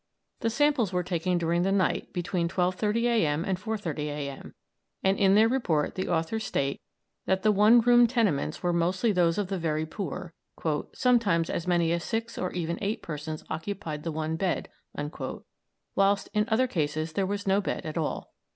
The samples were taken during the night, between 12.30 a.m. and 4.30 a.m., and in their report the authors state that the one roomed tenements were mostly those of the very poor; "sometimes as many as six or even eight persons occupied the one bed," whilst in other cases there was no bed at all.